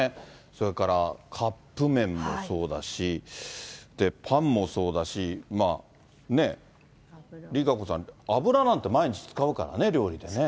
それからカップ麺もそうだし、パンもそうだし、ねぇ、ＲＩＫＡＣＯさん、油なんて毎日使うからね、料理でね。